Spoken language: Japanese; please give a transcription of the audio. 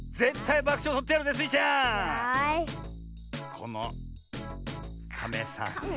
このカメさんと。